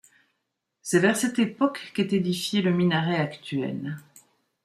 C'est vers cette époque qu'est édifié le minaret actuel.